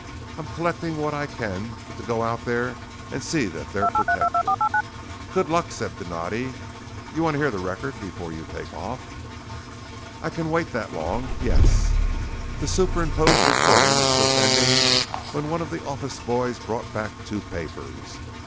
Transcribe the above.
I'm collecting what I can to go out there and see that they're protected!" "Good luck," said Donatti. "Y'wanna hear the record before you take off?" "I can wait that long. Yes!" The superimposed recording was just ending when one of the office boys brought back two papers.